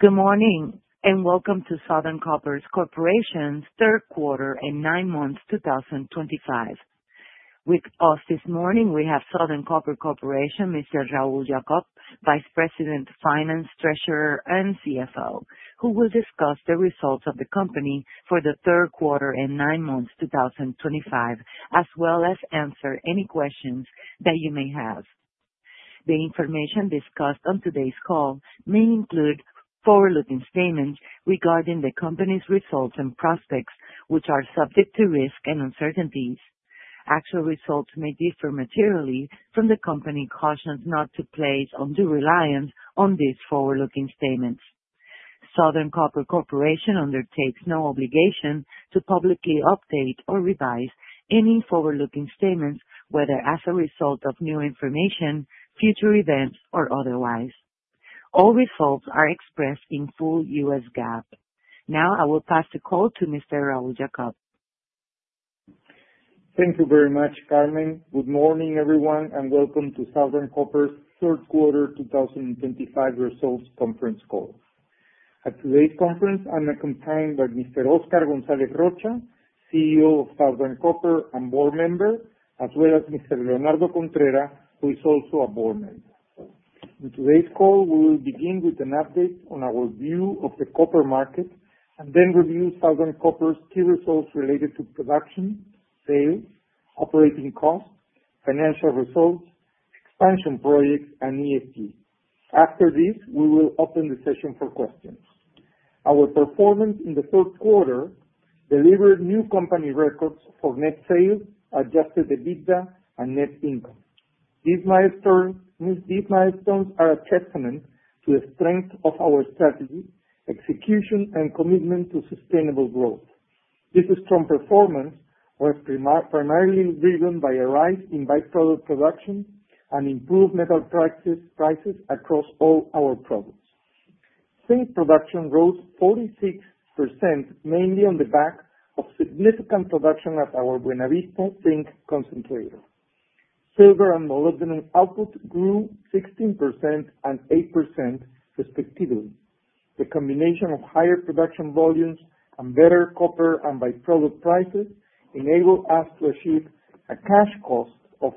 Good morning and welcome to Southern Copper Corporation's Third Quarter and Nine Months, 2025. With us this morning, we have Southern Copper Corporation, Mr. Raul Jacob, Vice President, Finance, Treasurer, and CFO, who will discuss the results of the company for the third quarter and nine months, 2025, as well as answer any questions that you may have. The information discussed on today's call may include forward-looking statements regarding the company's results and prospects, which are subject to risk and uncertainties. Actual results may differ materially from the company's cautions not to place undue reliance on these forward-looking statements. Southern Copper Corporation undertakes no obligation to publicly update or revise any forward-looking statements, whether as a result of new information, future events, or otherwise. All results are expressed in full U.S. GAAP. Now, I will pass the call to Mr. Raul Jacob. Thank you very much, Carmen. Good morning, everyone, and welcome to Southern Copper's Third Quarter 2025 Results Conference Call. At today's conference, I'm accompanied by Mr. Oscar Gonzalez Rocha, CEO of Southern Copper and board member, as well as Mr. Leonardo Contreras, who is also a board member. In today's call, we will begin with an update on our view of the copper market and then review Southern Copper's key results related to production, sales, operating costs, financial results, expansion projects, and ESG. After this, we will open the session for questions. Our performance in the third quarter delivered new company records for net sales, Adjusted EBITDA, and net income. These milestones are a testament to the strength of our strategy, execution, and commitment to sustainable growth. This strong performance was primarily driven by a rise in by-product production and improved metal prices across all our products. Zinc production rose 46%, mainly on the back of significant production at our Buenavista Zinc concentrator. Silver and molybdenum output grew 16% and 8%, respectively. The combination of higher production volumes and better copper and by-product prices enabled us to achieve a cash cost of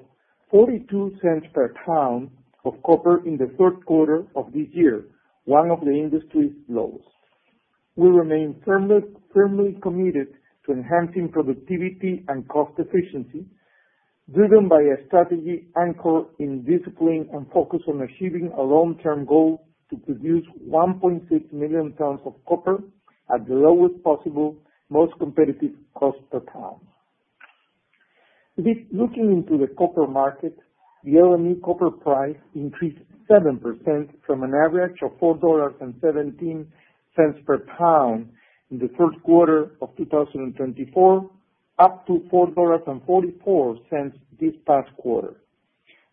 $0.42 per pound of copper in the third quarter of this year, one of the industry's lowest. We remain firmly committed to enhancing productivity and cost efficiency, driven by a strategy anchored in discipline and focus on achieving a long-term goal to produce 1.6 million tons of copper at the lowest possible, most competitive cost per pound. Looking into the copper market, the LME copper price increased 7% from an average of $4.17 per pound in the third quarter of 2024, up to $4.44 this past quarter.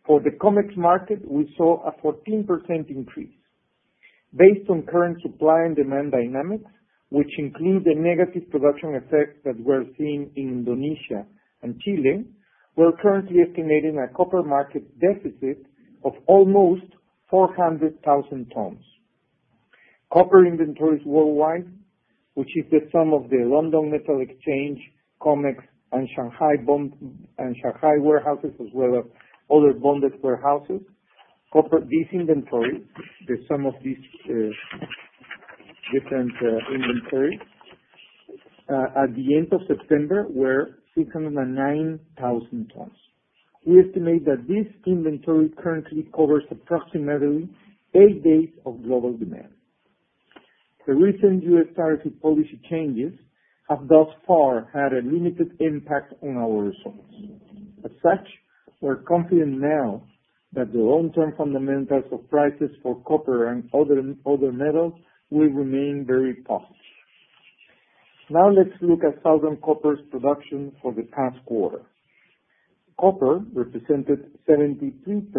For the COMEX market, we saw a 14% increase. Based on current supply and demand dynamics, which include the negative production effects that were seen in Indonesia and Chile, we're currently estimating a copper market deficit of almost 400,000 tons. Copper inventories worldwide, which is the sum of the London Metal Exchange, COMEX, and Shanghai warehouses, as well as other bonded warehouses, these inventories, the sum of these different inventories at the end of September, were 609,000 tons. We estimate that this inventory currently covers approximately eight days of global demand. The recent U.S. tariff policy changes have thus far had a limited impact on our results. As such, we're confident now that the long-term fundamentals of prices for copper and other metals will remain very positive. Now, let's look at Southern Copper's production for the past quarter. Copper represented 72%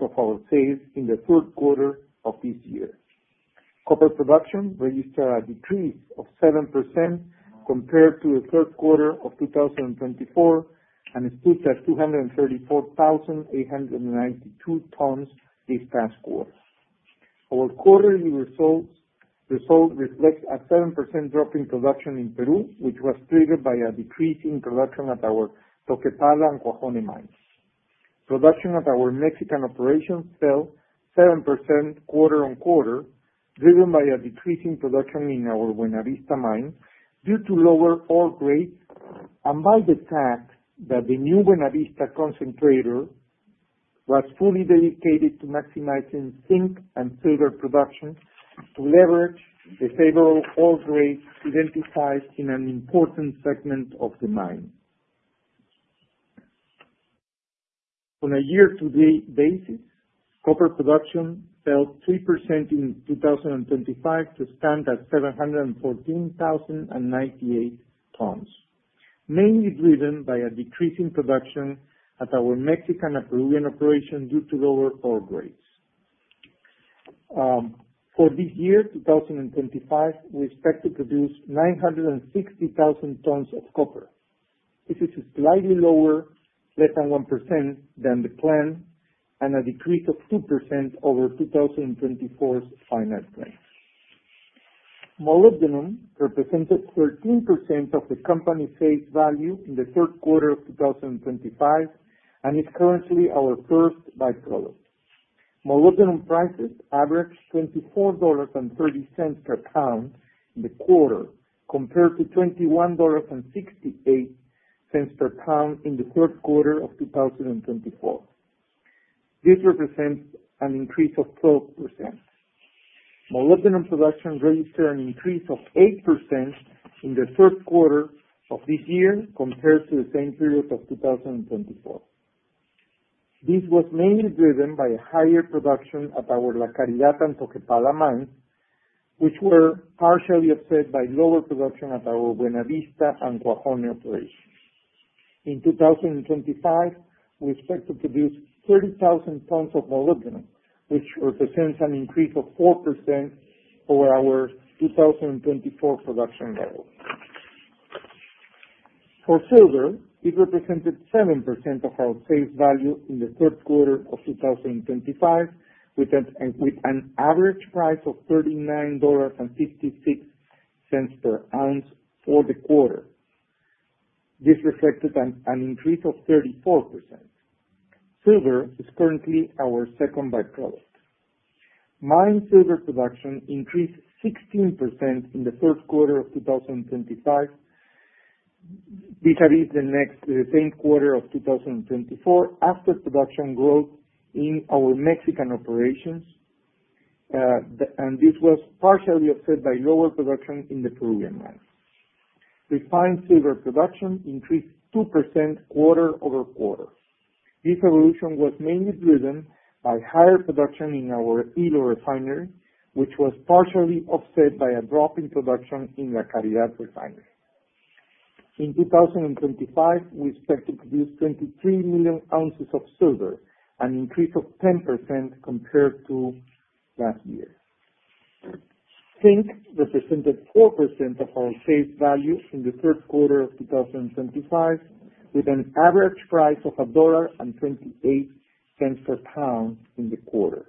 of our sales in the third quarter of this year. Copper production registered a decrease of 7% compared to the third quarter of 2024 and stood at 234,892 tons this past quarter. Our quarterly results reflect a 7% drop in production in Peru, which was triggered by a decrease in production at our Toquepala and Cuajone mines. Production at our Mexican operations fell 7% quarter on quarter, driven by a decrease in production in our Buenavista mine due to lower ore grades, and by the fact that the new Buenavista concentrator was fully dedicated to maximizing zinc and silver production to leverage the favorable ore grades identified in an important segment of the mine. On a year-to-date basis, copper production fell 3% in 2025 to stand at 714,098 tons, mainly driven by a decrease in production at our Mexican and Peruvian operations due to lower ore grades. For this year, 2025, we expect to produce 960,000 tons of copper. This is slightly lower, less than 1%, than the plan and a decrease of 2% over 2024's final plan. Molybdenum represented 13% of the company's face value in the third quarter of 2025 and is currently our first by-product. Molybdenum prices averaged $24.30 per pound in the quarter compared to $21.68 per pound in the third quarter of 2024. This represents an increase of 12%. Molybdenum production registered an increase of 8% in the third quarter of this year compared to the same period of 2024. This was mainly driven by higher production at our La Caridad and Toquepala mines, which were partially offset by lower production at our Buenavista and Cuajone operations. In 2025, we expect to produce 30,000 tons of molybdenum, which represents an increase of 4% over our 2024 production level. For silver, it represented 7% of our face value in the third quarter of 2025, with an average price of $39.56 per ounce for the quarter. This reflected an increase of 34%. Silver is currently our second by-product. Mine silver production increased 16% in the third quarter of 2025, which is the same quarter of 2024, after production growth in our Mexican operations, and this was partially offset by lower production in the Peruvian mines. Refined silver production increased 2% quarter-over-quarter. This evolution was mainly driven by higher production in our Ilo refinery, which was partially offset by a drop in production in La Caridad refinery. In 2025, we expect to produce 23 million ounces of silver, an increase of 10% compared to last year. Zinc represented 4% of our face value in the third quarter of 2025, with an average price of $1.28 per pound in the quarter.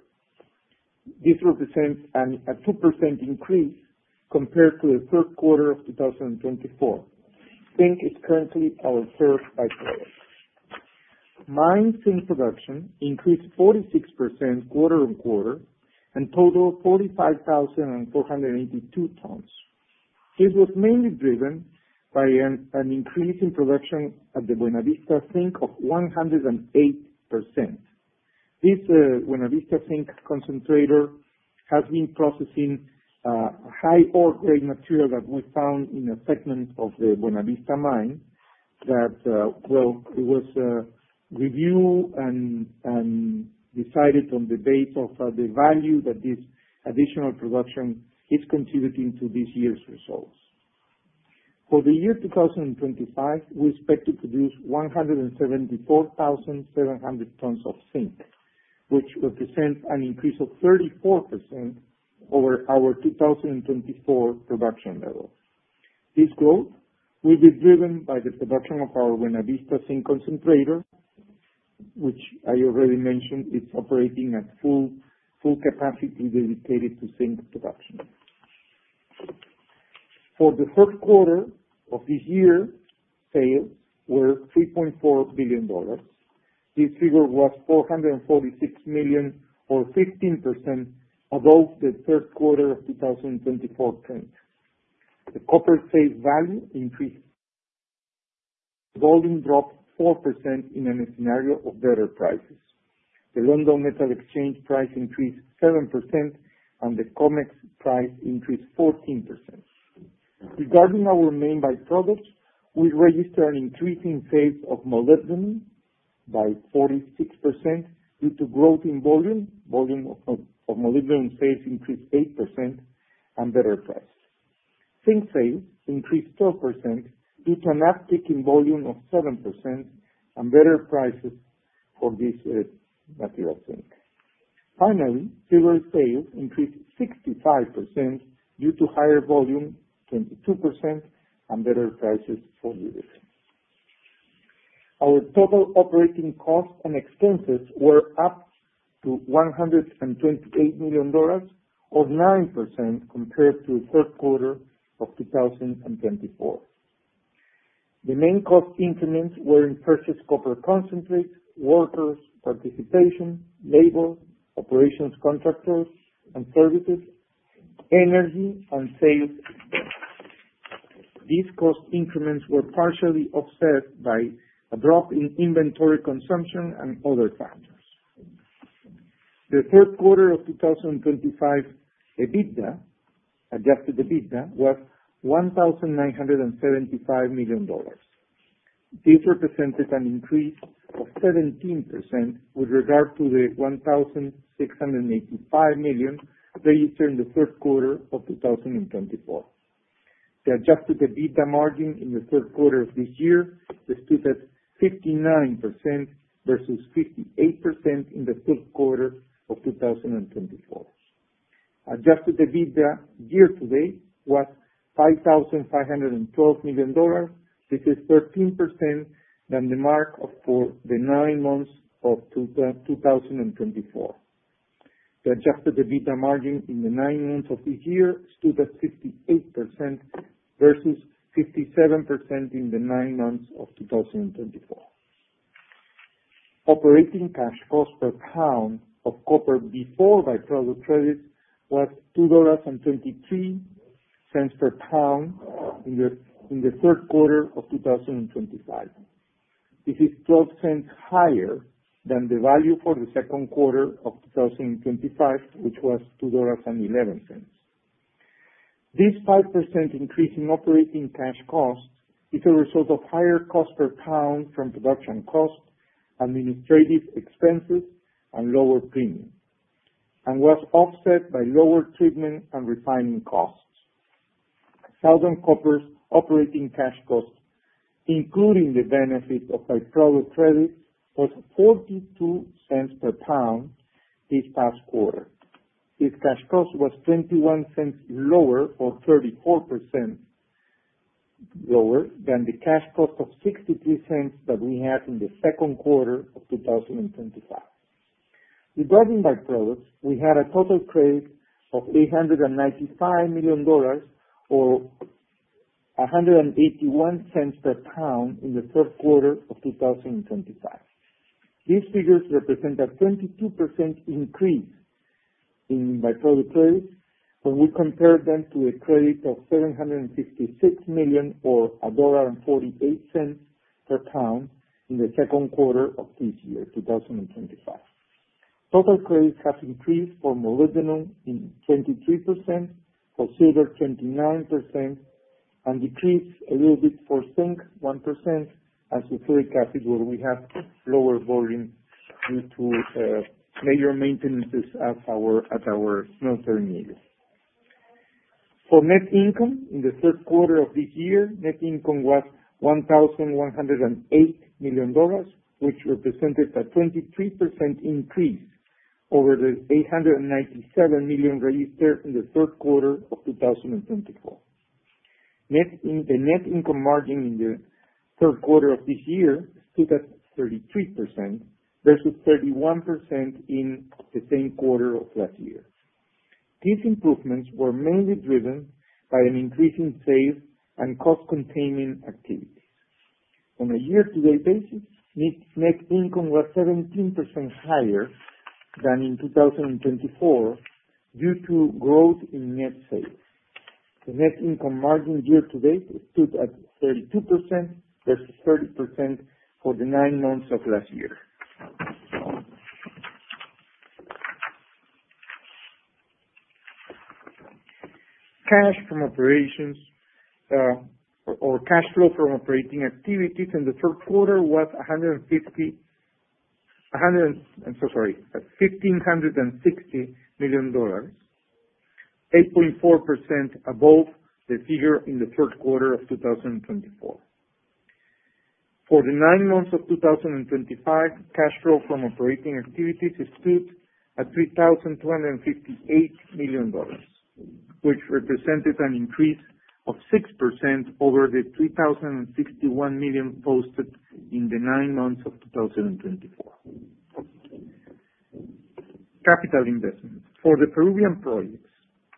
This represents a 2% increase compared to the third quarter of 2024. Zinc is currently our third by-product. Mine zinc production increased 46% quarter on quarter and totaled 45,482 tons. This was mainly driven by an increase in production at the Buenavista Zinc of 108%. This Buenavista Zinc concentrator has been processing high ore grade material that we found in a segment of the Buenavista mine that, well, it was reviewed and decided on the basis of the value that this additional production is contributing to this year's results. For the year 2025, we expect to produce 174,700 tons of zinc, which represents an increase of 34% over our 2024 production level. This growth will be driven by the production of our Buenavista Zinc concentrator, which I already mentioned is operating at full capacity dedicated to zinc production. For the third quarter of this year, sales were $3.4 billion. This figure was $446 million, or 15% above the third quarter of 2024 trend. The copper face value increased. Volume dropped 4% in a scenario of better prices. The London Metal Exchange price increased 7%, and the COMEX price increased 14%. Regarding our main by-products, we registered an increase in sales of molybdenum by 46% due to growth in volume. Volume of molybdenum sales increased 8% and better prices. Zinc sales increased 12% due to an uptick in volume of 7% and better prices for this material zinc. Finally, silver sales increased 65% due to higher volume, 22%, and better prices for silver. Our total operating costs and expenses were up to $128 million, or 9%, compared to the third quarter of 2024. The main cost increments were in purchased copper concentrates, workers' participation, labor, operations contractors and services, energy, and sales expenses. These cost increments were partially offset by a drop in inventory consumption and other factors. The third quarter of 2025 EBITDA, Adjusted EBITDA, was $1,975 million. This represented an increase of 17% with regard to the $1,685 million registered in the third quarter of 2024. The Adjusted EBITDA margin in the third quarter of this year stood at 59% versus 58% in the third quarter of 2024. Adjusted EBITDA year-to-date was $5,512 million. This is 13% than the mark for the nine months of 2024. The Adjusted EBITDA margin in the nine months of this year stood at 58% versus 57% in the nine months of 2024. Operating cash cost per pound of copper before by-product credits was $2.23 per pound in the third quarter of 2025. This is $0.12 higher than the value for the second quarter of 2025, which was $2.11. This 5% increase in operating cash cost is a result of higher cost per pound from production cost, administrative expenses, and lower premium, and was offset by lower treatment and refining costs. Southern Copper's operating cash cost, including the benefit of by-product credits, was $0.42 per pound this past quarter. This cash cost was $0.21 lower, or 34% lower, than the cash cost of $0.63 that we had in the second quarter of 2025. Regarding by-products, we had a total credit of $895 million, or $1.81 per pound in the third quarter of 2025. These figures represent a 22% increase in by-product credits when we compare them to a credit of $766 million, or $1.48 per pound, in the second quarter of this year, 2025. Total credits have increased for molybdenum in 23%, for silver 29%, and decreased a little bit for zinc 1% and sulfuric acid, where we have lower volume due to major maintenances at our smelter in Ilo. For net income in the third quarter of this year, net income was $1,108 million, which represented a 23% increase over the $897 million registered in the third quarter of 2024. The net income margin in the third quarter of this year stood at 33% versus 31% in the same quarter of last year. These improvements were mainly driven by an increase in sales and cost containment activities. On a year-to-date basis, net income was 17% higher than in 2024 due to growth in net sales. The net income margin year-to-date stood at 32% versus 30% for the nine months of last year. Cash from operations or cash flow from operating activities in the third quarter was $1,560 million, 8.4% above the figure in the third quarter of 2024. For the nine months of 2025, cash flow from operating activities stood at $3,258 million, which represented an increase of 6% over the $3,061 million posted in the nine months of 2024. Capital investment. For the Peruvian projects,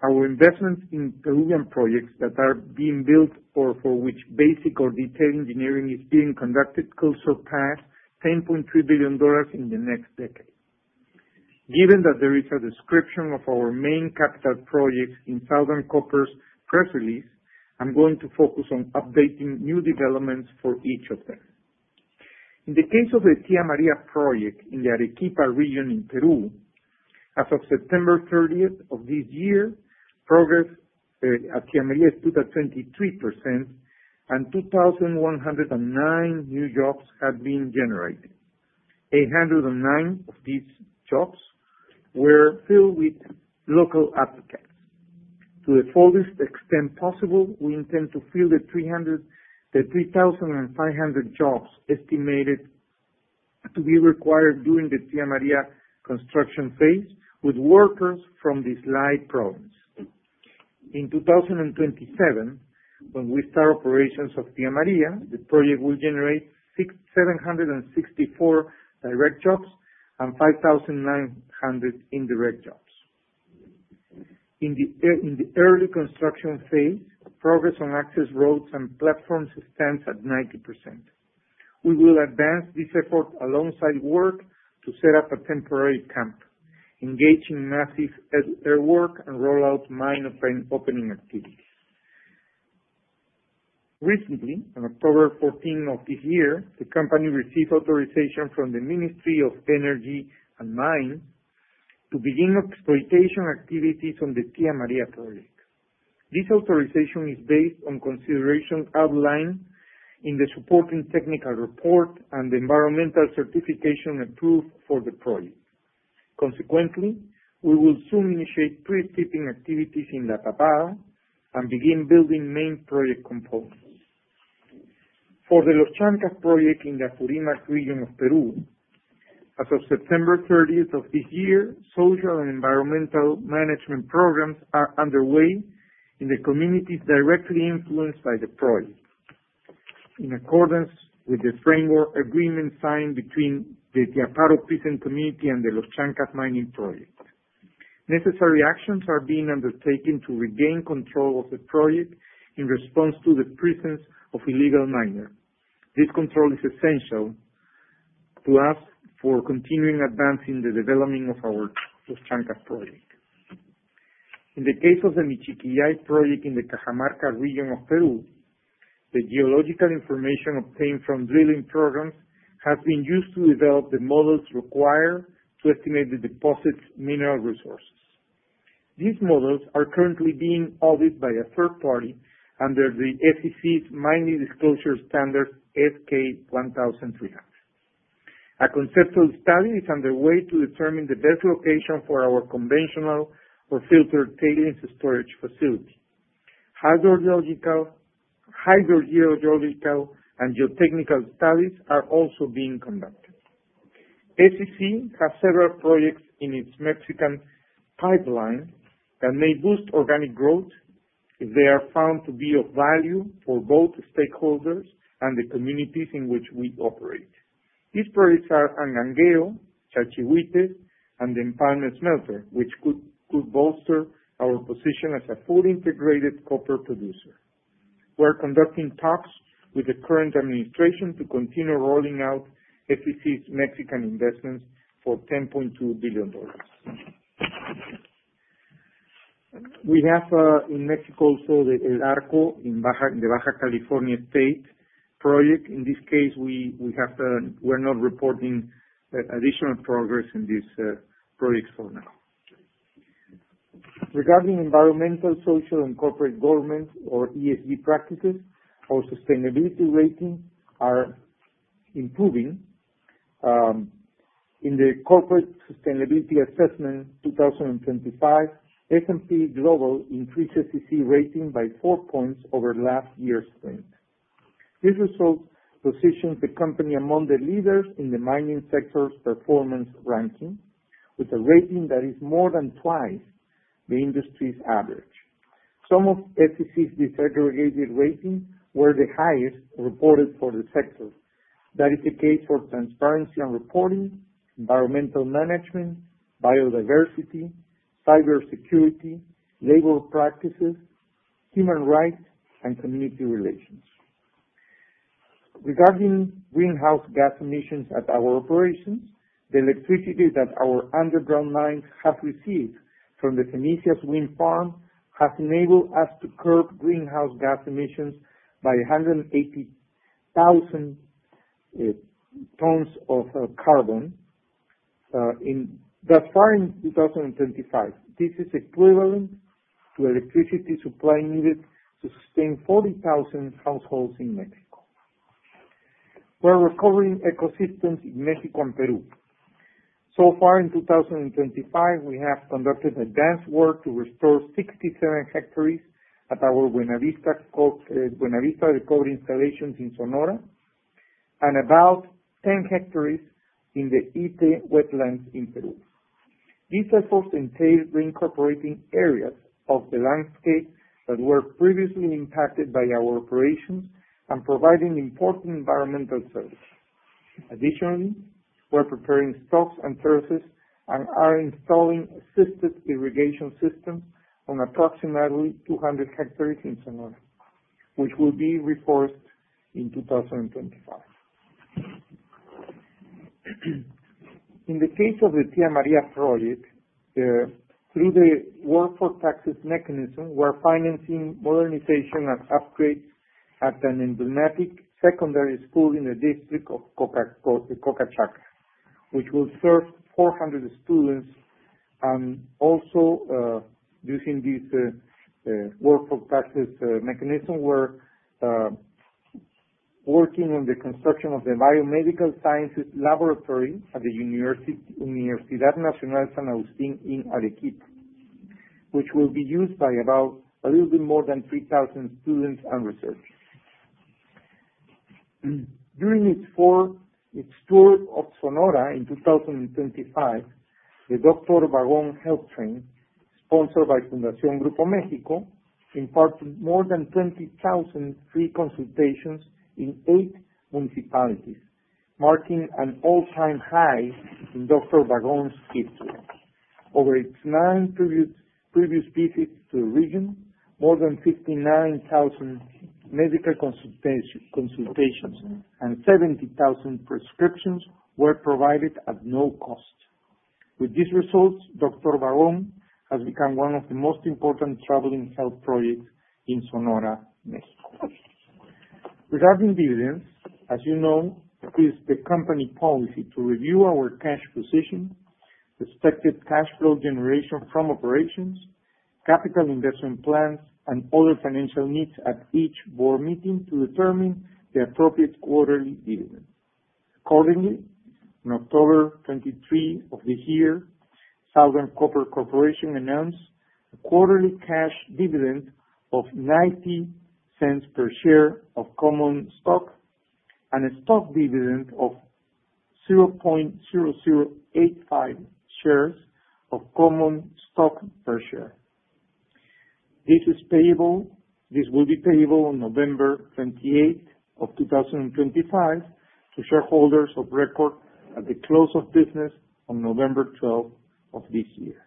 our investments in Peruvian projects that are being built or for which basic or detailed engineering is being conducted could surpass $10.3 billion in the next decade. Given that there is a description of our main capital projects in Southern Copper's press release, I'm going to focus on updating new developments for each of them. In the case of the Tía María project in the Arequipa region in Peru, as of September 30th of this year, progress at Tía María stood at 23%, and 2,109 new jobs had been generated. 809 of these jobs were filled with local applicants. To the fullest extent possible, we intend to fill the 3,500 jobs estimated to be required during the Tía María construction phase with workers from these Islay provinces. In 2027, when we start operations of Tía María, the project will generate 764 direct jobs and 5,900 indirect jobs. In the early construction phase, progress on access roads and platforms stands at 90%. We will advance this effort alongside work to set up a temporary camp, engaging massive earthwork and rollout mine opening activities. Recently, on October 14th of this year, the company received authorization from the Ministry of Energy and Mines to begin exploitation activities on the Tía María project. This authorization is based on considerations outlined in the supporting technical report and the environmental certification approved for the project. Consequently, we will soon initiate pre-stripping activities in La Tapada and begin building main project components. For the Los Chancas project in the Apurímac region of Peru, as of September 30th of this year, social and environmental management programs are underway in the communities directly influenced by the project, in accordance with the framework agreement signed between the Tiaparo Peasant Community and the Los Chancas Mining Project. Necessary actions are being undertaken to regain control of the project in response to the presence of illegal miners. This control is essential to us for continuing advancing the development of our Los Chancas project. In the case of the Michiquillay project in the Cajamarca region of Peru, the geological information obtained from drilling programs has been used to develop the models required to estimate the deposit's mineral resources. These models are currently being audited by a third party under the SEC's mining disclosure standard S-K 1300. A conceptual study is underway to determine the best location for our conventional or filtered tailings storage facility. Hydrogeological and geotechnical studies are also being conducted. SCC has several projects in its Mexican pipeline that may boost organic growth if they are found to be of value for both stakeholders and the communities in which we operate. These projects are Angangueo, Chalchihuites, and the Empalme smelter, which could bolster our position as a fully integrated copper producer. We are conducting talks with the current administration to continue rolling out SCC's Mexican investments for $10.2 billion. We have in Mexico also the El Arco in the Baja California state project. In this case, we are not reporting additional progress in these projects for now. Regarding environmental, social, and corporate governance, or ESG practices, our sustainability rating is improving. In the Corporate Sustainability Assessment 2025, S&P Global increased SCC rating by four points over last year's strength. This result positions the company among the leaders in the mining sector's performance ranking, with a rating that is more than twice the industry's average. Some of SCC's disaggregated ratings were the highest reported for the sector. That is the case for transparency and reporting, environmental management, biodiversity, cybersecurity, labor practices, human rights, and community relations. Regarding greenhouse gas emissions at our operations, the electricity that our underground mines have received from the Fenicias wind farm has enabled us to curb greenhouse gas emissions by 180,000 tons of carbon thus far in 2025. This is equivalent to electricity supply needed to sustain 40,000 households in Mexico. We are recovering ecosystems in Mexico and Peru. So far in 2025, we have conducted advanced work to restore 67 hectares at our Buenavista Recovery Installations in Sonora and about 10 hectares in the Ite Wetlands in Peru. These efforts entail reincorporating areas of the landscape that were previously impacted by our operations and providing important environmental services. Additionally, we are preparing stocks and services and are installing assisted irrigation systems on approximately 200 hectares in Sonora, which will be reforested in 2025. In the case of the Tía María project, through the Work for Taxes mechanism, we are financing modernization and upgrades at an emblematic secondary school in the district of Cocachacra, which will serve 400 students, and also using this Work for Taxes mechanism, we're working on the construction of the biomedical sciences laboratory at the Universidad Nacional San Agustín in Arequipa, which will be used by about a little bit more than 3,000 students and researchers. During its tour of Sonora in 2025, the Dr. Vagón Health Train, sponsored by Fundación Grupo México, imparted more than 20,000 free consultations in eight municipalities, marking an all-time high in Dr. Vagón's history. Over its nine previous visits to the region, more than 59,000 medical consultations and 70,000 prescriptions were provided at no cost. With these results, Dr. Vagón has become one of the most important traveling health projects in Sonora, Mexico. Regarding dividends, as you know, it is the company policy to review our cash position, expected cash flow generation from operations, capital investment plans, and other financial needs at each board meeting to determine the appropriate quarterly dividend. Accordingly, on October 23 of this year, Southern Copper Corporation announced a quarterly cash dividend of $0.90 per share of common stock and a stock dividend of 0.0085 shares of common stock per share. This will be payable on November 28th of 2025 to shareholders of record at the close of business on November 12th of this year.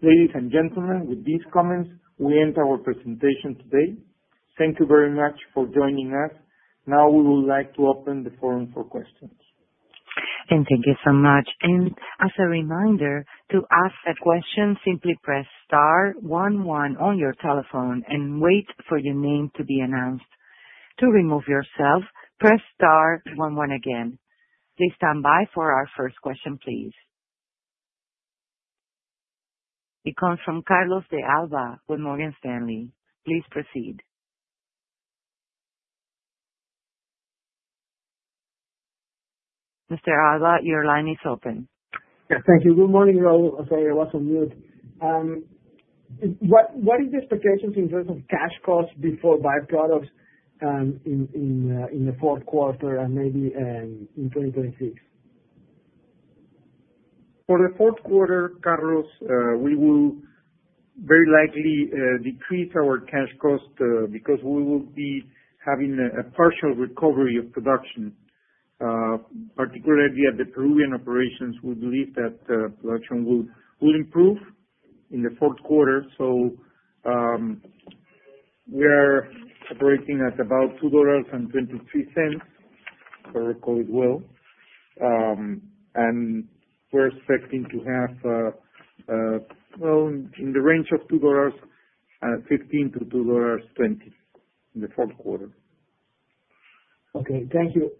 Ladies and gentlemen, with these comments, we end our presentation today. Thank you very much for joining us. Now we would like to open the forum for questions. And thank you so much. And as a reminder, to ask a question, simply press star 11 on your telephone and wait for your name to be announced. To remove yourself, press star 11 again. Please stand by for our first question, please. It comes from Carlos de Alba with Morgan Stanley. Please proceed. Mr. Alba, your line is open. Yeah, thank you. Good morning, Raul. Sorry, I was on mute. What is the expectation in terms of cash cost before byproducts in the fourth quarter and maybe in 2026? For the fourth quarter, Carlos, we will very likely decrease our cash cost because we will be having a partial recovery of production. Particularly at the Peruvian operations, we believe that production will improve in the fourth quarter. So we are operating at about $2.23, if I recall it well, and we're expecting to have, well, in the range of $2.15-$2.20 in the fourth quarter. Okay, thank you.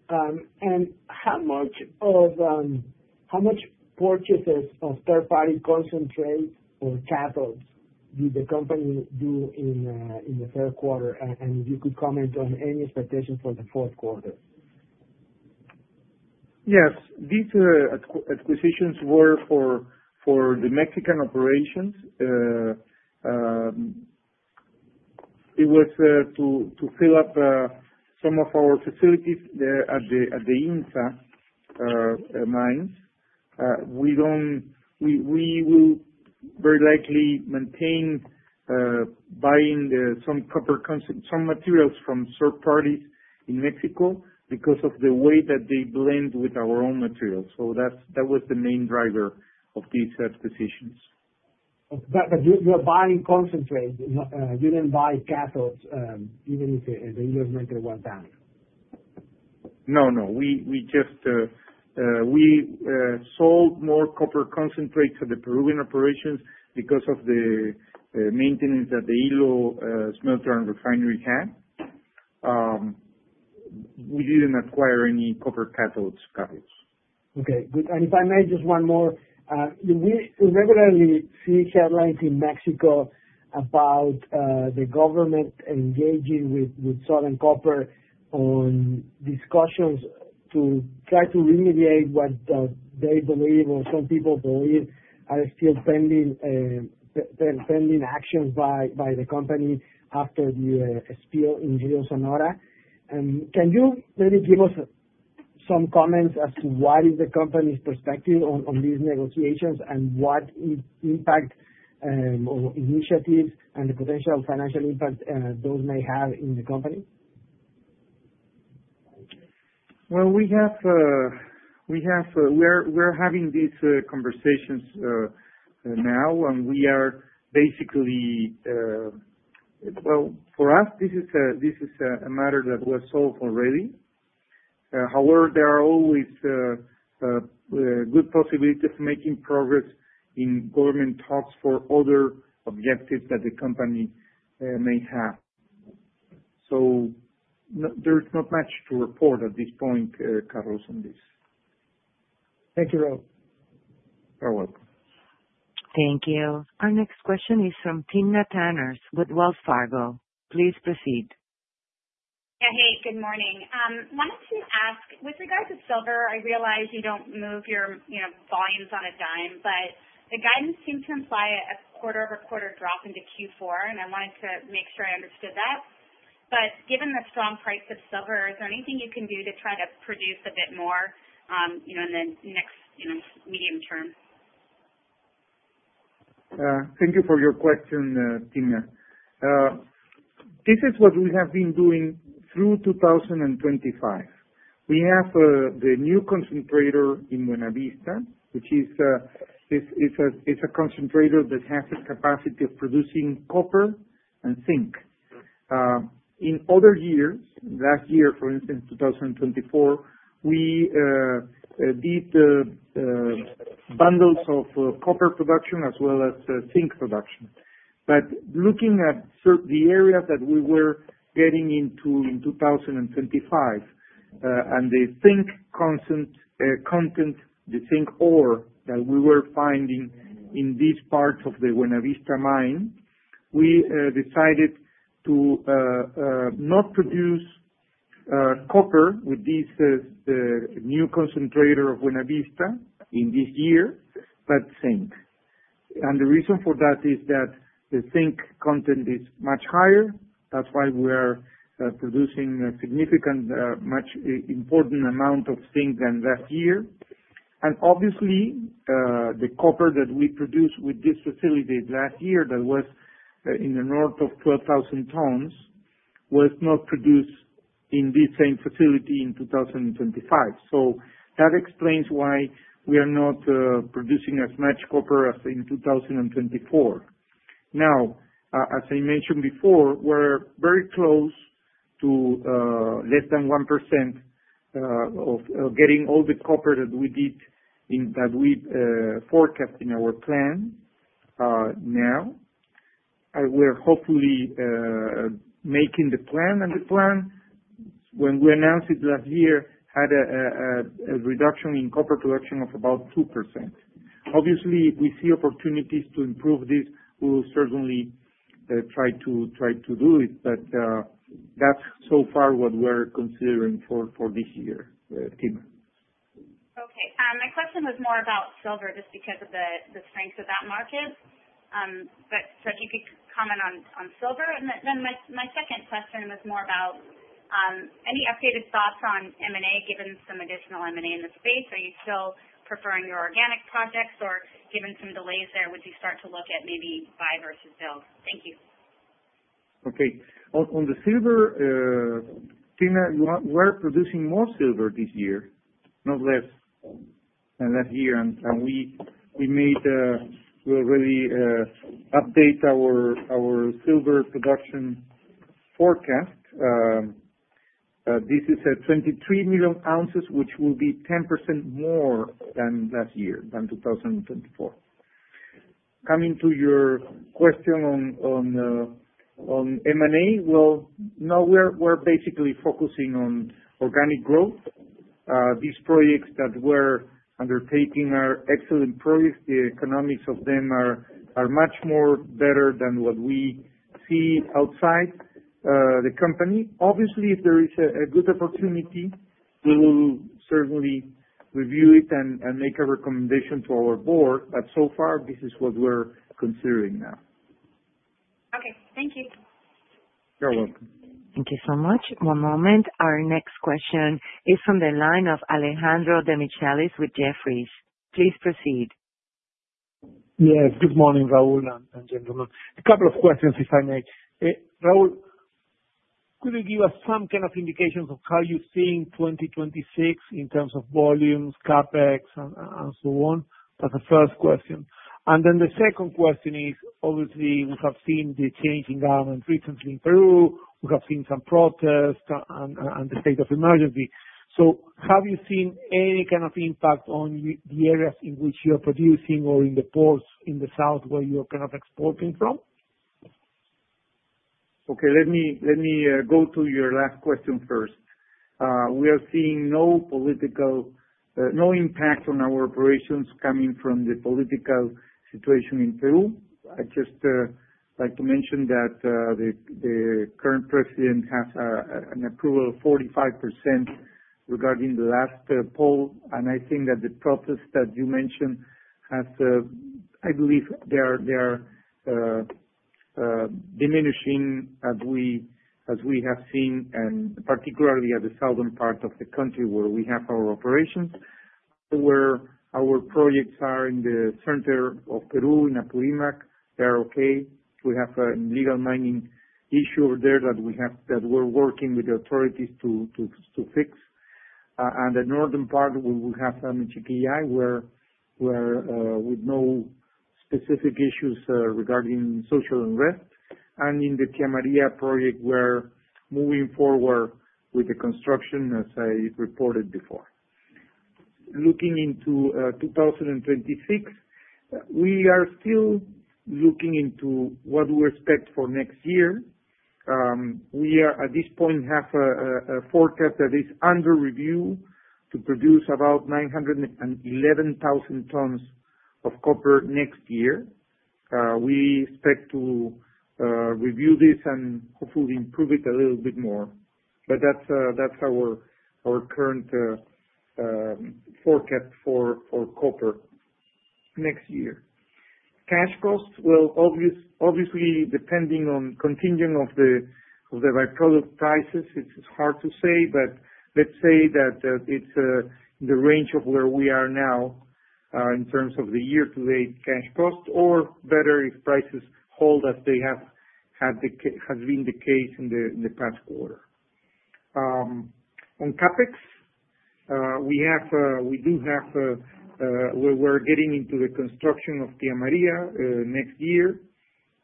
And how much purchases of third-party concentrates or cathodes did the company do in the third quarter? And if you could comment on any expectations for the fourth quarter. Yes. These acquisitions were for the Mexican operations. It was to fill up some of our facilities at the IMMSA mines. We will very likely maintain buying some materials from third parties in Mexico because of the way that they blend with our own materials. So that was the main driver of these acquisitions. But you're buying concentrates? You didn't buy cathodes, even if the inventory was down? No, no. We sold more copper concentrates at the Peruvian operations because of the maintenance that the Ilo smelter and refinery had. We didn't acquire any copper cathodes. Okay. And if I may, just one more. We regularly see headlines in Mexico about the government engaging with Southern Copper on discussions to try to remediate what they believe, or some people believe, are still pending actions by the company after the spill in Río Sonora. Can you maybe give us some comments as to what is the company's perspective on these negotiations and what impact or initiatives and the potential financial impact those may have in the company? Well, we are having these conversations now, and we are basically well, for us, this is a matter that was solved already. However, there are always good possibilities of making progress in government talks for other objectives that the company may have. So there's not much to report at this point, Carlos, on this. Thank you, Raul. You're welcome. Thank you. Our next question is from Timna Tanners with Wells Fargo. Please proceed. Yeah, hey, good morning. I wanted to ask, with regard to silver, I realize you don't move your volumes on a dime, but the guidance seems to imply a quarter-over-quarter drop into Q4, and I wanted to make sure I understood that. But given the strong price of silver, is there anything you can do to try to produce a bit more in the next medium term? Thank you for your question, Timna. This is what we have been doing through 2025. We have the new concentrator in Buenavista, which is a concentrator that has the capacity of producing copper and zinc. In other years, last year, for instance, 2024, we did bundles of copper production as well as zinc production, but looking at the areas that we were getting into in 2025 and the zinc content, the zinc ore that we were finding in these parts of the Buenavista mine, we decided to not produce copper with this new concentrator of Buenavista in this year, but zinc, and the reason for that is that the zinc content is much higher. That's why we are producing a significant, much important amount of zinc than last year, and obviously, the copper that we produced with this facility last year that was in the north of 12,000 tons was not produced in this same facility in 2025, so that explains why we are not producing as much copper as in 2024. Now, as I mentioned before, we're very close to less than 1% of getting all the copper that we did that we forecast in our plan now. We're hopefully making the plan, and the plan, when we announced it last year, had a reduction in copper production of about 2%. Obviously, if we see opportunities to improve this, we will certainly try to do it, but that's so far what we're considering for this year, Timna. Okay. My question was more about silver just because of the strength of that market. But if you could comment on silver. And then my second question was more about any updated thoughts on M&A, given some additional M&A in the space. Are you still preferring your organic projects, or given some delays there, would you start to look at maybe buy versus build? Thank you. Okay. On the silver, Timna, we're producing more silver this year, not less than last year, and we already updated our silver production forecast. This is at 23 million ounces, which will be 10% more than last year, than 2024. Coming to your question on M&A, well, now we're basically focusing on organic growth. These projects that we're undertaking are excellent projects. The economics of them are much better than what we see outside the company. Obviously, if there is a good opportunity, we will certainly review it and make a recommendation to our board, but so far, this is what we're considering now. Okay. Thank you. You're welcome. Thank you so much. One moment. Our next question is from the line of Alejandro Demichelis with Jefferies. Please proceed. Yes. Good morning, Raul and gentlemen. A couple of questions, if I may. Raul, could you give us some kind of indications of how you're seeing 2026 in terms of volumes, CapEx, and so on? That's the first question. And then the second question is, obviously, we have seen the change in government recently in Peru. We have seen some protests and the state of emergency. So have you seen any kind of impact on the areas in which you're producing or in the ports in the south where you're kind of exporting from? Okay. Let me go to your last question first. We are seeing no impact on our operations coming from the political situation in Peru. I just like to mention that the current president has an approval of 45% regarding the last poll. And I think that the protests that you mentioned have, I believe, they are diminishing as we have seen, and particularly at the southern part of the country where we have our operations. Our projects are in the center of Peru, in Apurímac. They are okay. We have a legal mining issue over there that we're working with the authorities to fix. And the northern part, we have some Michiquillay with no specific issues regarding social unrest. And in the Tía María project, we're moving forward with the construction, as I reported before. Looking into 2026, we are still looking into what we expect for next year. We are, at this point, have a forecast that is under review to produce about 911,000 tons of copper next year. We expect to review this and hopefully improve it a little bit more. But that's our current forecast for copper next year. Cash costs, well, obviously, depending on the continuing of the byproduct prices, it's hard to say, but let's say that it's in the range of where we are now in terms of the year-to-date cash cost, or better if prices hold as they have been the case in the past quarter. On CapEx, we do have where we're getting into the construction of Tía María next year.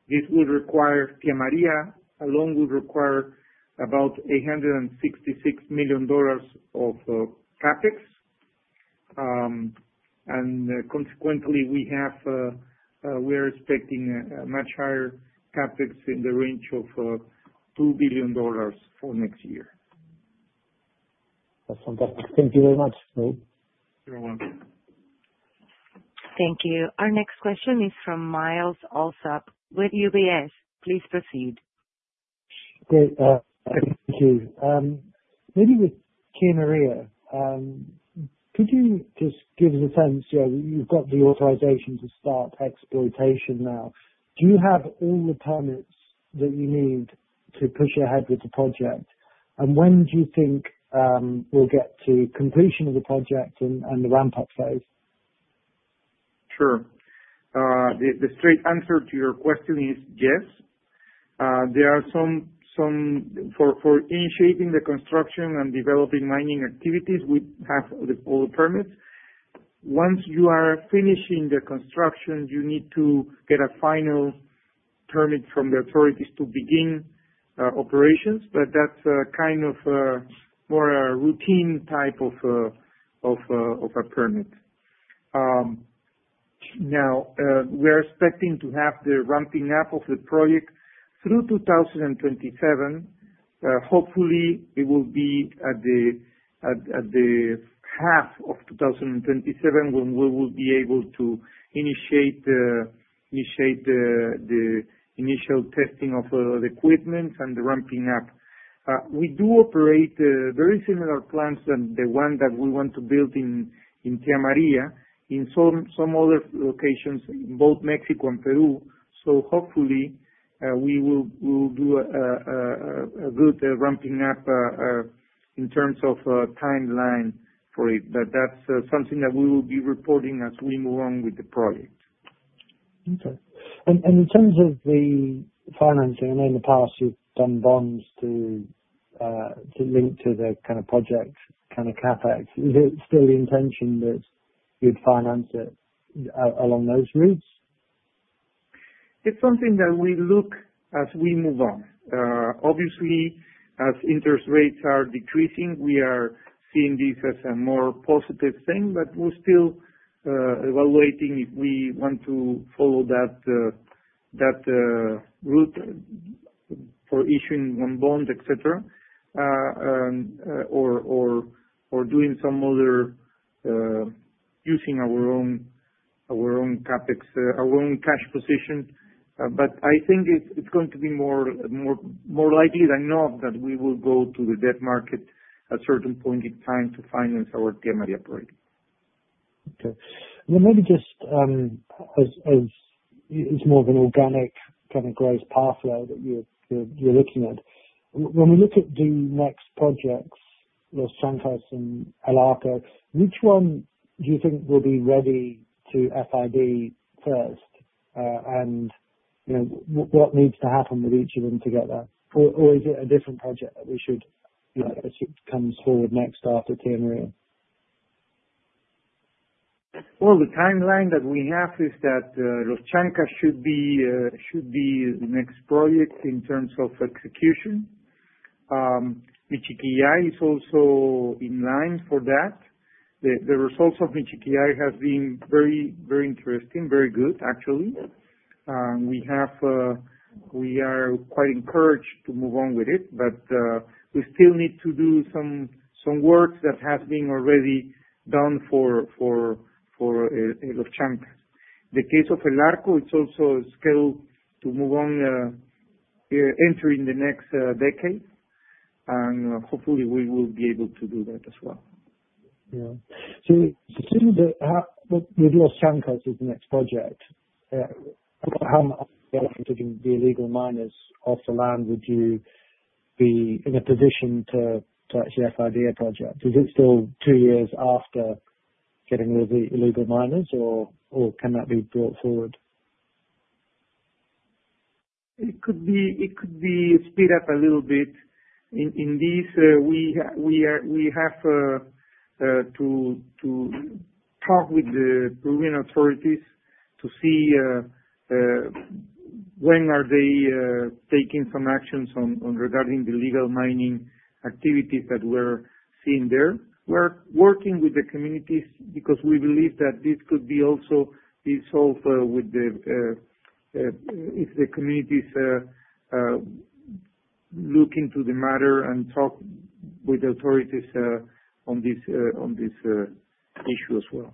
This will require Tía María, alone will require about $866 million of CapEx. And consequently, we are expecting a much higher CapEx in the range of $2 billion for next year. That's fantastic. Thank you very much. You're welcome. Thank you. Our next question is from Miles Allsop with UBS. Please proceed. Okay. Thank you. Maybe with Tía María, could you just give us a sense? You've got the authorization to start exploitation now. Do you have all the permits that you need to push ahead with the project? And when do you think we'll get to completion of the project and the ramp-up phase? Sure. The straight answer to your question is yes. There are some for initiating the construction and developing mining activities, we have all the permits. Once you are finishing the construction, you need to get a final permit from the authorities to begin operations, but that's kind of more a routine type of a permit. Now, we're expecting to have the ramping up of the project through 2027. Hopefully, it will be at the half of 2027 when we will be able to initiate the initial testing of the equipment and the ramping up. We do operate very similar plants than the one that we want to build in Tía María in some other locations, both Mexico and Peru. Hopefully, we will do a good ramping up in terms of timeline for it. But that's something that we will be reporting as we move on with the project. Okay. And in terms of the financing, I know in the past you've done bonds to link to the kind of project kind of CapEx. Is it still the intention that you'd finance it along those routes? It's something that we look as we move on. Obviously, as interest rates are decreasing, we are seeing this as a more positive thing, but we're still evaluating if we want to follow that route for issuing one bond, etc., or doing some other using our own CapEx, our own cash position. But I think it's going to be more likely than not that we will go to the debt market at a certain point in time to finance our Tía María project. Okay. And then maybe just as it's more of an organic kind of growth pathway that you're looking at, when we look at the next projects, Los Chancas and El Arco, which one do you think will be ready to FID first? And what needs to happen with each of them together? Or is it a different project that we should as it comes forward next after Tía María? Well, the timeline that we have is that Los Chancas should be the next project in terms of execution. Michiquillay is also in line for that. The results of Michiquillay have been very interesting, very good, actually. We are quite encouraged to move on with it, but we still need to do some work that has been already done for Los Chancas. The case of El Arco, it's also scheduled to move on entering the next decade, and hopefully, we will be able to do that as well. Yeah. So with Los Chancas as the next project, how much of the illegal miners off the land would you be in a position to actually FID a project? Is it still two years after getting rid of the illegal miners, or can that be brought forward? It could be sped up a little bit. In this, we have to talk with the Peruvian authorities to see when are they taking some actions regarding the illegal mining activities that we're seeing there. We're working with the communities because we believe that this could be also resolved with the if the communities look into the matter and talk with the authorities on this issue as well.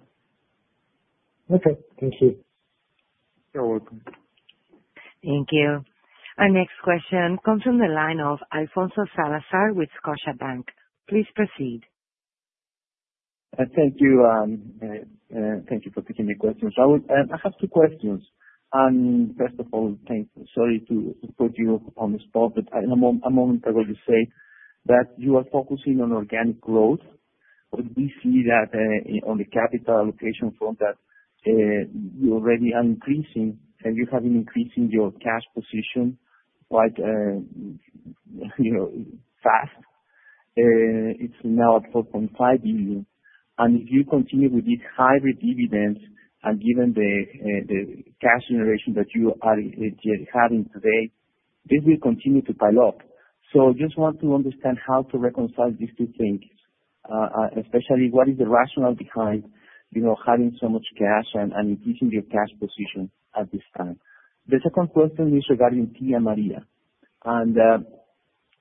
Okay. Thank you. You're welcome. Thank you. Our next question comes from the line of Alfonso Salazar with Scotiabank. Please proceed. Thank you for taking my questions. I have two questions, and first of all, sorry to put you on the spot, but a moment ago, you said that you are focusing on organic growth. We see that on the capital allocation front that you already are increasing, and you have been increasing your cash position quite fast. It's now at $4.5 billion, and if you continue with these hybrid dividends and given the cash generation that you are having today, this will continue to pile up, so I just want to understand how to reconcile these two things, especially what is the rationale behind having so much cash and increasing your cash position at this time. The second question is regarding Tía María. And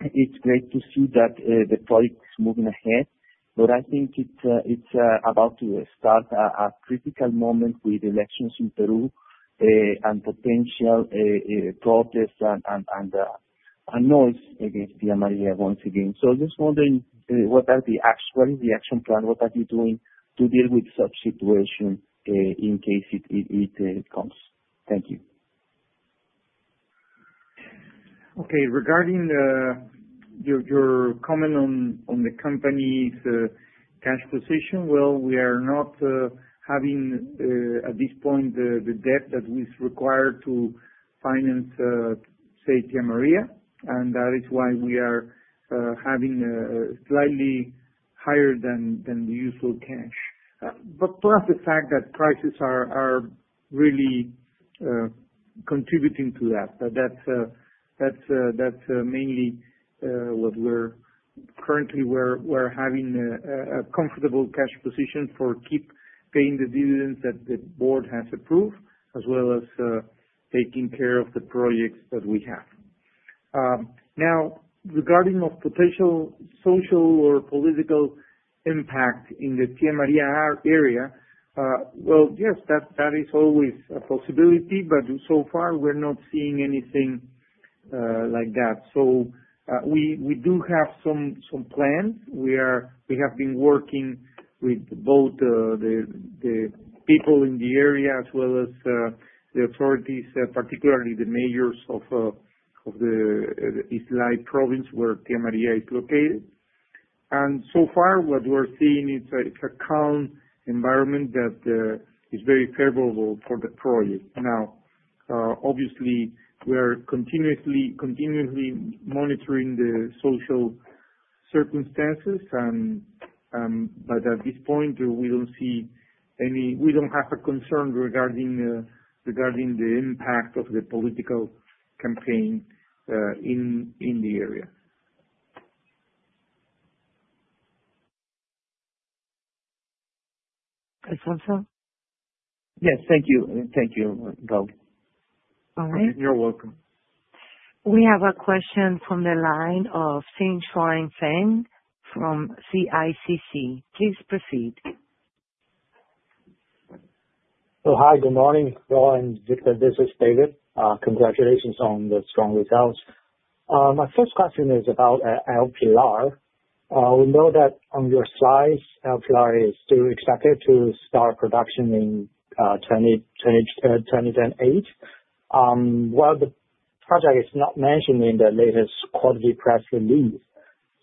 it's great to see that the project is moving ahead, but I think it's about to start a critical moment with elections in Peru and potential protests and noise against Tía María once again. So I'm just wondering what are the actual reaction plan? What are you doing to deal with such situations in case it comes? Thank you. Okay. Regarding your comment on the company's cash position, well, we are not having at this point the debt that we require to finance, say, Tía María. And that is why we are having slightly higher than the usual cash. But plus the fact that prices are really contributing to that. That's mainly what we're currently having a comfortable cash position for keep paying the dividends that the board has approved, as well as taking care of the projects that we have. Now, regarding potential social or political impact in the Tía María area, well, yes, that is always a possibility, but so far, we're not seeing anything like that. So we do have some plans. We have been working with both the people in the area as well as the authorities, particularly the mayors of the Islay province where Tía María is located. And so far, what we're seeing is a calm environment that is very favorable for the project. Now, obviously, we are continuously monitoring the social circumstances, but at this point, we don't have a concern regarding the impact of the political campaign in the area. Alfonso? Yes. Thank you. Thank you. All right. You're welcome. We have a question from the line of Xinshuang Gong from CICC. Please proceed. So hi, good morning. Raul Jacob, this is David. Congratulations on the strong results.My first question is about El Pilar. We know that on your slides, El Pilar is still expected to start production in 2028. Well, the project is not mentioned in the latest quarterly press release.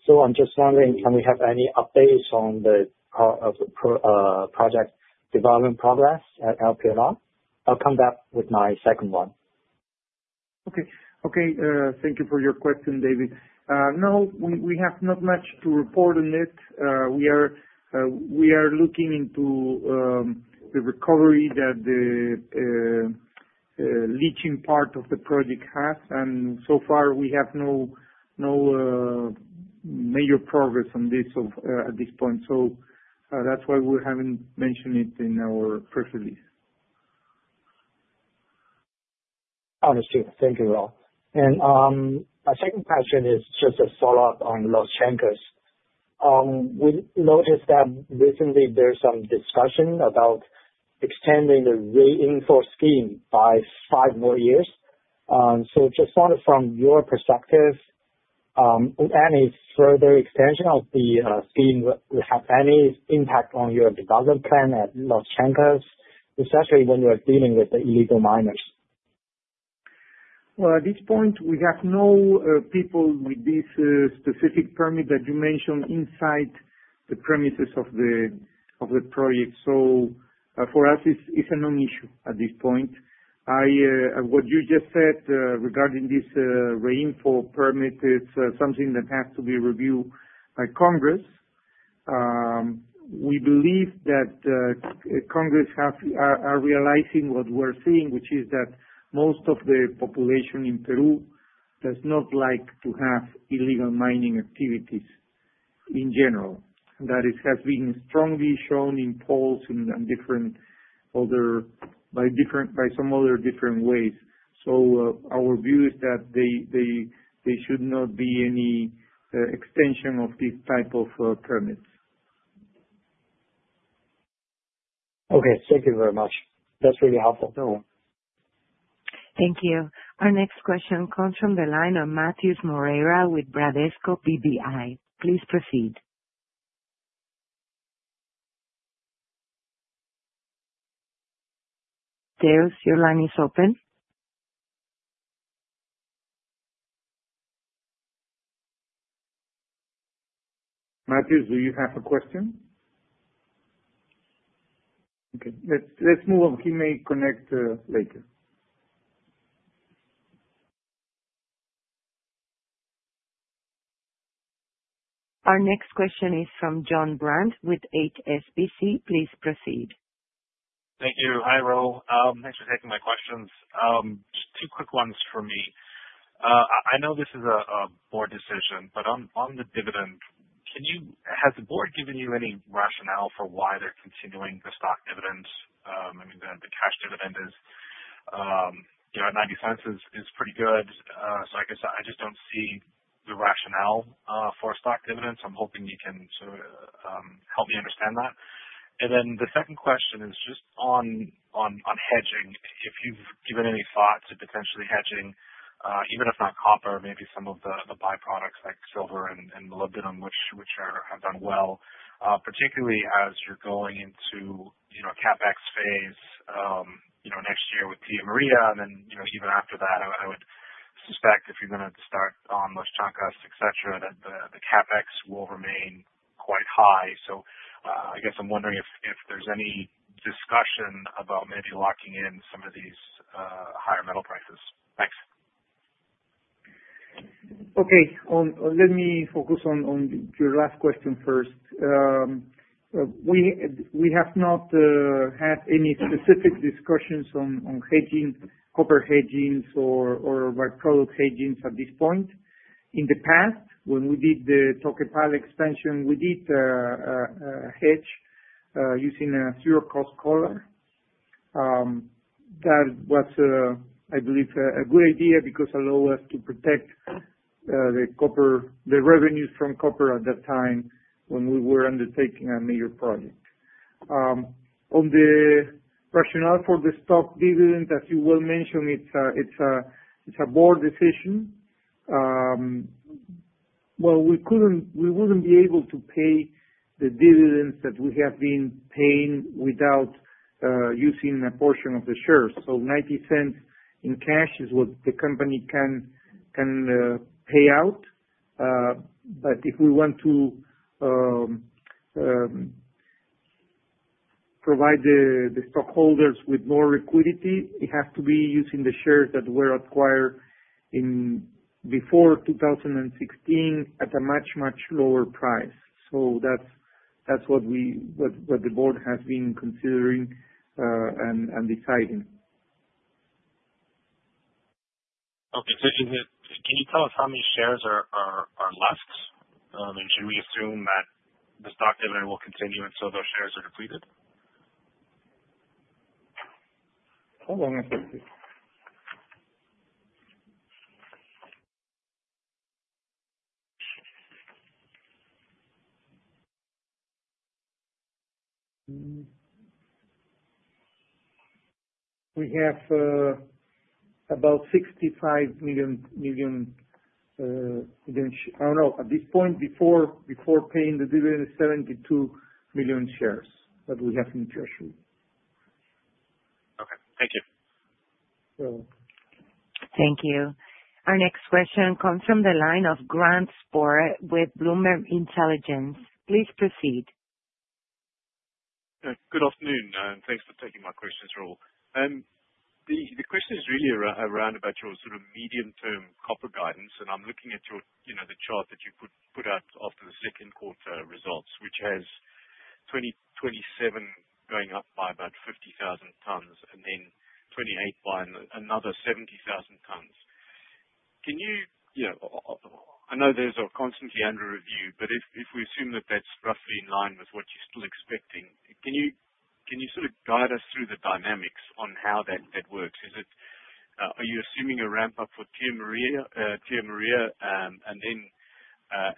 So I'm just wondering, can we have any updates on the project development progress at El Pilar? I'll come back with my second one. Okay. Okay. Thank you for your question, David. No, we have not much to report on it. We are looking into the recovery that the leaching part of the project has. And so far, we have no major progress on this at this point. So that's why we haven't mentioned it in our press release. Understood. Thank you all. And my second question is just a follow-up on Los Chancas. We noticed that recently, there's some discussion about extending the reinforced scheme by five more years. So just wonder from your perspective, any further extension of the scheme would have any impact on your development plan at Los Chancas, especially when you are dealing with the illegal miners? Well, at this point, we have no people with this specific permit that you mentioned inside the premises of the project. So for us, it's a non-issue at this point. What you just said regarding this reinforced permit, it's something that has to be reviewed by Congress. We believe that Congress are realizing what we're seeing, which is that most of the population in Peru does not like to have illegal mining activities in general. That has been strongly shown in polls and different other by some other different ways. So our view is that there should not be any extension of this type of permits. Okay. Thank you very much. That's really helpful. Thank you. Our next question comes from the line of Matheus Moreira with Bradesco BBI. Please proceed. Theus, your line is open. Matheus, do you have a question? Okay. Let's move on. We may connect later. Our next question is from Jon Brandt with HSBC. Please proceed. Thank you. Hi, Raul. Thanks for taking my questions. Just two quick ones for me. I know this is a board decision, but on the dividend, has the board given you any rationale for why they're continuing the stock dividends? I mean, the cash dividend is at $0.90 is pretty good. So I guess I just don't see the rationale for stock dividends. I'm hoping you can sort of help me understand that. And then the second question is just on hedging, if you've given any thought to potentially hedging, even if not copper, maybe some of the byproducts like silver and molybdenum, which have done well, particularly as you're going into a CapEx phase next year with Tía María. And then even after that, I would suspect if you're going to start on Los Chancas, etc., that the CapEx will remain quite high. So I guess I'm wondering if there's any discussion about maybe locking in some of these higher metal prices. Thanks. Okay. Let me focus on your last question first. We have not had any specific discussions on hedging, copper hedging, or byproduct hedging at this point. In the past, when we did the Toquepala expansion, we did a hedge using a zero-cost collar. That was, I believe, a good idea because it allowed us to protect the revenues from copper at that time when we were undertaking a major project. On the rationale for the stock dividend, as you well mentioned, it's a board decision. Well, we wouldn't be able to pay the dividends that we have been paying without using a portion of the shares. So $0.90 in cash is what the company can pay out. But if we want to provide the stockholders with more liquidity, it has to be using the shares that were acquired before 2016 at a much, much lower price. So that's what the board has been considering and deciding. Okay. Can you tell us how many shares are left? And should we assume that the stock dividend will continue until those shares are depleted? Hold on a second. We have about 65 million - I don't know. At this point, before paying the dividend, 72 million shares that we have in the treasury. Okay. Thank you. Thank you. Our next question comes from the line of Grant Sporre with Bloomberg Intelligence. Please proceed. Good afternoon, and thanks for taking my questions, Raul. The question is really around about your sort of medium-term copper guidance, and I'm looking at the chart that you put out after the second quarter results, which has 2027 going up by about 50,000 tons and then 2028 by another 70,000 tons. I know those are constantly under review, but if we assume that that's roughly in line with what you're still expecting, can you sort of guide us through the dynamics on how that works? Are you assuming a ramp-up for Tía María and then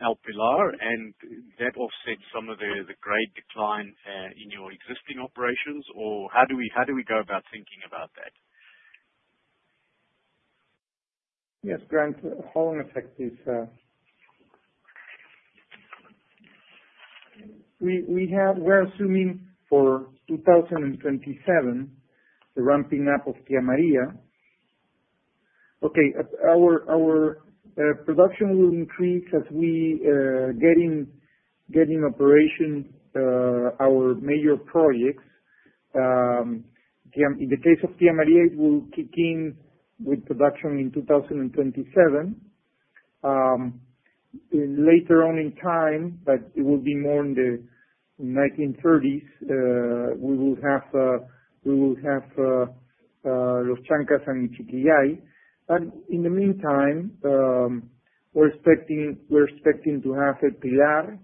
El Pilar, and that offsets some of the grade decline in your existing operations, or how do we go about thinking about that? Yes, Grant, hold on a second. We're assuming for 2027 the ramping up of Tía María. Okay. Our production will increase as we get in operation our major projects. In the case of Tía María, it will kick in with production in 2027. Later on in time, but it will be more in the 2030s. We will have Los Chancas and Michiquillay. But in the meantime, we're expecting to have El Pilar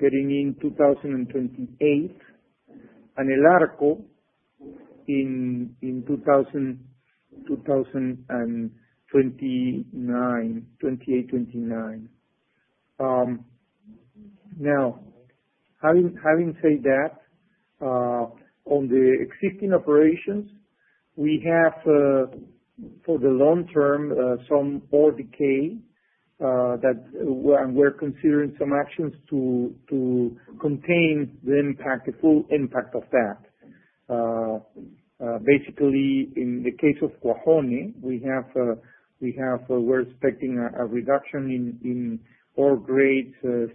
getting in 2028 and El Arco in 2028, 2029. Now, having said that, on the existing operations, we have for the long term some grade decay that we're considering some actions to contain the full impact of that. Basically, in the case of Cuajone, we're expecting a reduction in ore grade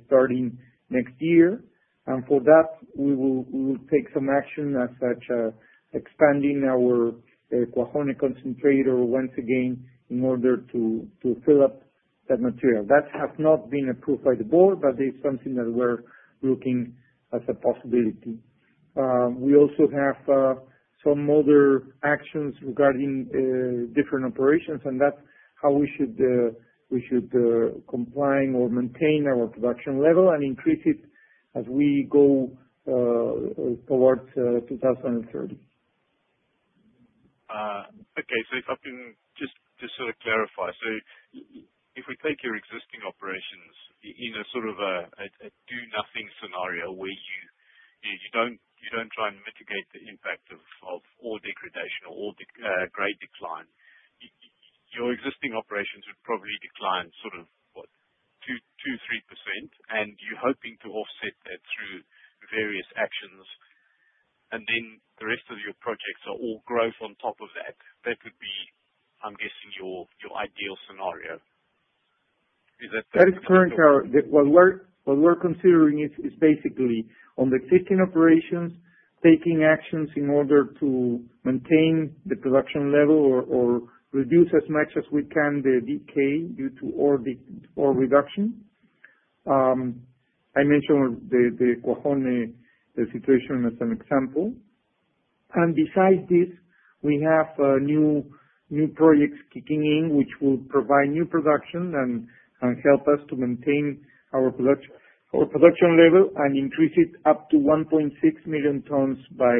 starting next year, and for that, we will take some actions such as expanding our Cuajone concentrator once again in order to fill up that material. That has not been approved by the board, but it's something that we're looking as a possibility. We also have some other actions regarding different operations, and that's how we should comply or maintain our production level and increase it as we go towards 2030. Okay. So just to sort of clarify, so if we take your existing operations in a sort of a do-nothing scenario where you don't try and mitigate the impact of ore degradation or ore grade decline, your existing operations would probably decline sort of what, 2%-3%, and you're hoping to offset that through various actions, and then the rest of your projects are all growth on top of that. That would be, I'm guessing, your ideal scenario. Is that? That is current. What we're considering is basically on the existing operations, taking actions in order to maintain the production level or reduce as much as we can the decay due to ore reduction. I mentioned the Cuajone situation as an example. And besides this, we have new projects kicking in, which will provide new production and help us to maintain our production level and increase it up to 1.6 million tons by,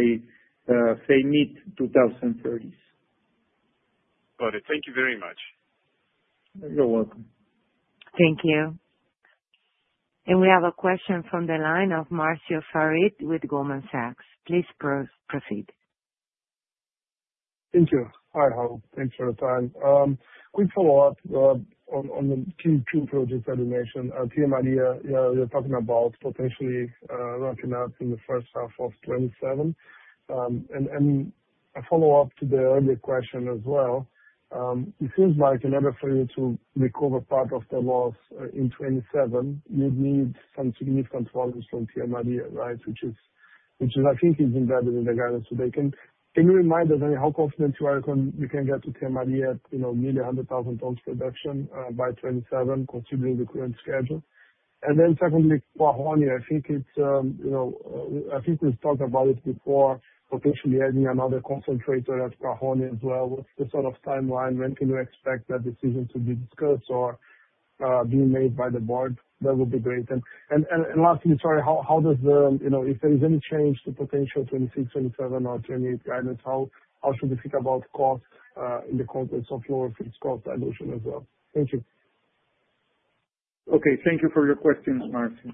say, mid-2030s. Got it. Thank you very much. You're welcome. Thank you. And we have a question from the line of Marcio Farid with Goldman Sachs. Please proceed. Thank you. Hi, Raul. Thanks for the time. Quick follow-up on the two projects that you mentioned. Tía María, you're talking about potentially ramping up in the first half of 2027. And a follow-up to the earlier question as well. It seems like in order for you to recover part of the loss in 2027, you'd need some significant volumes from Tía María, right, which I think is embedded in the guidance today. Can you remind us, I mean, how confident you are you can get to Tía María at nearly 100,000 tons production by 2027, considering the current schedule? And then secondly, Cuajone, I think we've talked about it before, potentially adding another concentrator at Cuajone as well. What's the sort of timeline? When can you expect that decision to be discussed or be made by the board? That would be great. And lastly, sorry, how does the, if there is any change to potential 2026, 2027, or 2028 guidance, how should we think about cost in the context of lower fixed cost dilution as well? Thank you. Okay. Thank you for your questions, Marcio.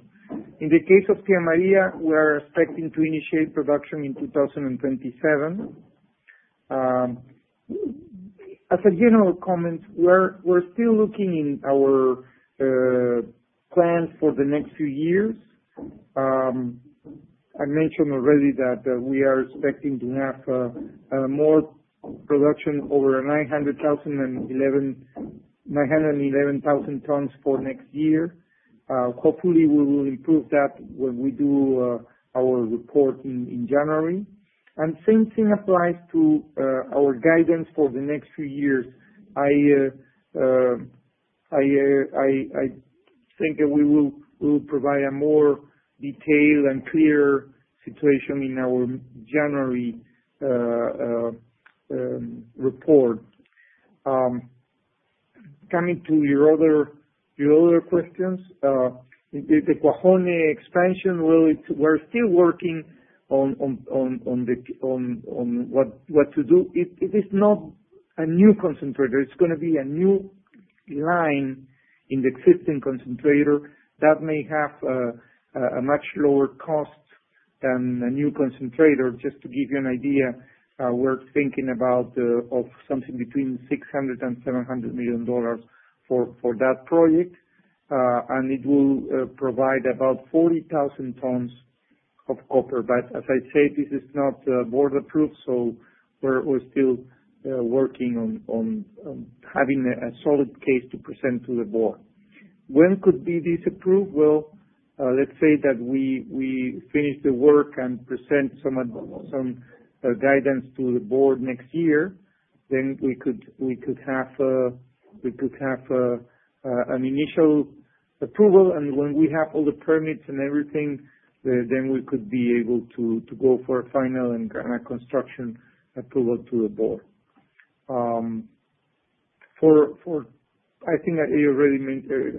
In the case of Tía María, we are expecting to initiate production in 2027. As a general comment, we're still looking in our plans for the next few years. I mentioned already that we are expecting to have more production over 911,000 tons for next year. Hopefully, we will improve that when we do our report in January, and same thing applies to our guidance for the next few years. I think that we will provide a more detailed and clearer situation in our January report. Coming to your other questions, the Cuajone expansion, we're still working on what to do. It is not a new concentrator. It's going to be a new line in the existing concentrator that may have a much lower cost than a new concentrator. Just to give you an idea, we're thinking about something between $600 million and $700 million for that project, and it will provide about 40,000 tons of copper, but as I said, this is not board-approved, so we're still working on having a solid case to present to the board. When could this be approved? Well, let's say that we finish the work and present some guidance to the board next year, then we could have an initial approval. And when we have all the permits and everything, then we could be able to go for a final and construction approval to the board. I think I already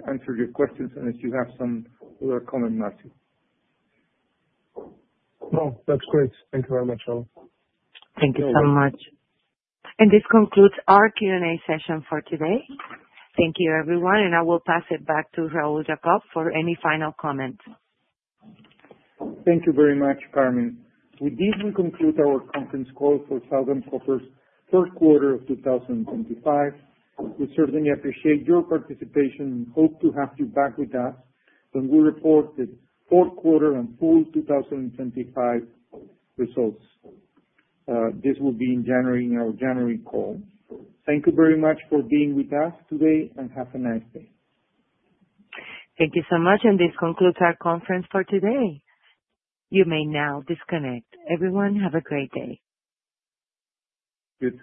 answered your questions unless you have some other comment, Marcio. No, that's great. Thank you very much, Raul. Thank you so much. And this concludes our Q&A session for today. Thank you, everyone. And I will pass it back to Raul Jacob for any final comments. Thank you very much, Carmen. With this, we conclude our conference call for Southern Copper's third quarter of 2025. We certainly appreciate your participation and hope to have you back with us when we report the fourth quarter and full 2025 results. This will be in our January call. Thank you very much for being with us today, and have a nice day. Thank you so much, and this concludes our conference for today. You may now disconnect. Everyone, have a great day. You too.